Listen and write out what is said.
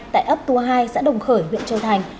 tại ấp tua hai sẽ đồng khởi viện pháo